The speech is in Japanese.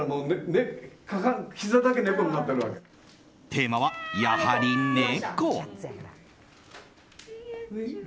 テーマはやはり猫。